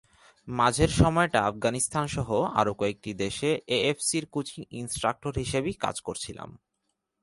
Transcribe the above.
মাঝের সময়টা আফগানিস্তানসহ আরও কয়েকটি দেশে এএফসির কোচিং ইনস্ট্রাক্টর হিসেবেই কাজ করছিলাম।